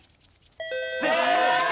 正解！